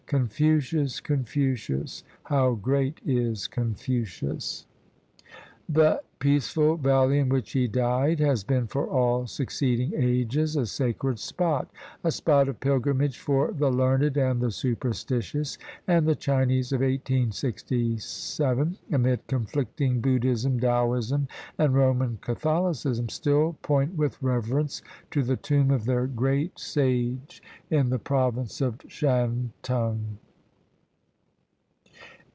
Confucius! Confucius! How great is Confucius! That peaceful valley in which he died has been for all succeeding ages a sacred spot — a spot of pilgrimage for the learned and the superstitious; and the Chinese of 1867, amid conflicting Buddhism, Taoism, and Roman Catholicism, still point with reverence to the tomb of their great sage in the province of Shan tung.